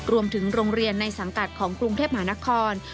รวมถึงโรงเรียนในสังกัดของกรุงเทพหมานคร